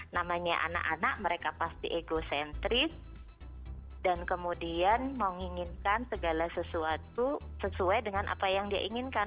namanya anak anak mereka pasti egocentris dan kemudian menginginkan segala sesuatu sesuai dengan apa yang dia inginkan